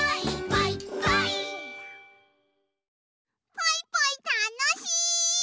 ポイポイたのしい！